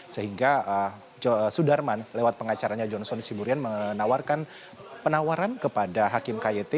sehingga sudarman lewat pengacaranya johnson siburian penawaran kepada hakim kyt